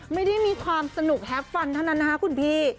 ไม่ได้มีความสนุกแฮปฟันเท่านั้นนะคะคุณพี่